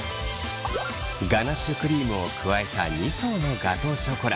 ガナッシュクリームを加えた２層のガトーショコラ。